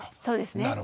そうですね。